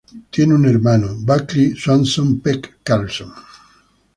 Él tiene un hermano, Buckley Swanson Peck Carlson.